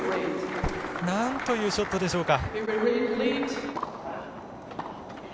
なんというショットでしょうか。